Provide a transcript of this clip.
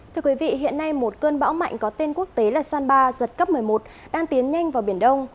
thưa quý vị hiện nay một cơn bão mạnh có tên quốc tế là sanba giật cấp một mươi một đang tiến nhanh vào biển đông